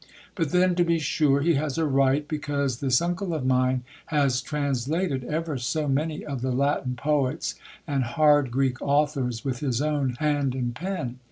But then to be sure he has a right, because this uncle of mine has translated ever so many of the Latin poets and hard Greek authors with his own hand and pen.